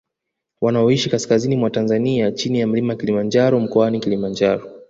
Wanaoishi kaskazini mwa Tanzania chini ya mlima Kilimanjaro mkoani Kilimanjaro